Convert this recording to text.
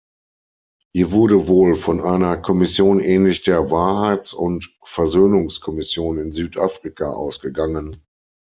Hier wurde wohl von einer Kommission ähnlich der Wahrheits- und Versöhnungskommission in Südafrika ausgegangen.